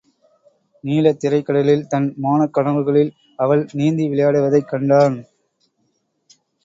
நீலத் திரைக் கடலில் தன் மோனக் கனவுகளில் அவள் நீந்தி விளையாடுவதைக் கண்டான்.